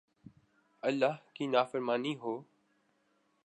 ، اللہ کی نافرمانی ہو